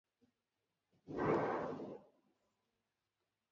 Erabili zure dohai hori agertu daitekeen aukera bakoitza ez galtzeko.